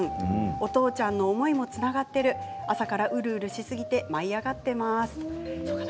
お父ちゃんの思いもつながっている朝からうるうるしすぎて舞い上がっています。